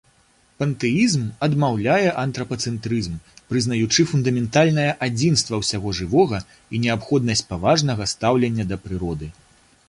Пантэізм адмаўляе антрапацэнтрызм, прызнаючы фундаментальнае адзінства ўсяго жывога і неабходнасць паважнага стаўлення да прыроды.